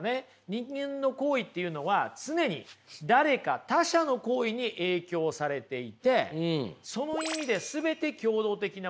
人間の行為っていうのは常に誰か他者の行為に影響されていてその意味で全て共同的なものだというとこなんですよ。